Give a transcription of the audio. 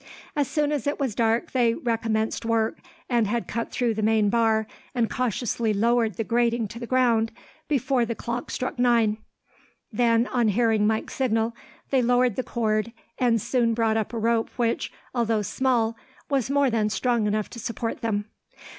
As soon as it was dark they recommenced work, and had cut through the main bar, and cautiously lowered the grating to the ground, before the clock struck nine. Then, on hearing Mike's signal, they lowered the cord, and soon brought up a rope which, although small, was more than strong enough to support them.